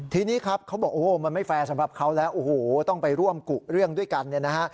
ทีนี้ครับเขาบอกโอ้โหมันไม่แฟร์สำหรับเขาแล้วโอ้โหต้องไปร่วมกุเรื่องด้วยกันเนี่ยนะฮะ